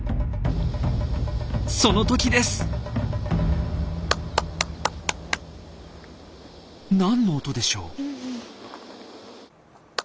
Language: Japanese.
その時です！何の音でしょう？